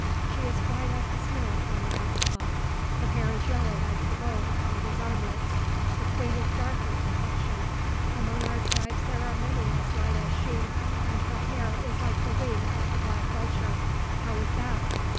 She is white as the snow upon the mountain top. Her hair is yellow as the gold upon these armlets. The queen is dark in complexion; among our tribes there are many as light as she, and her hair is like the wing of the black vulture. How is that?